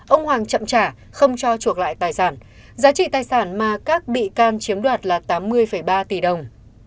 ông hoàng chậm trả không cho chuộc lại tài sản giá trị tài sản mà các bị can chiếm đoạt là tám mươi ba tỷ đồng